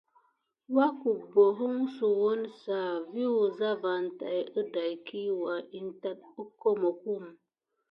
Wakəbohonsewounsa vi wuza van tay əday kiwa in tat əkamokum.